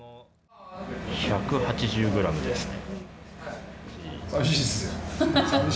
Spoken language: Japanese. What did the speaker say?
１８０ｇですね。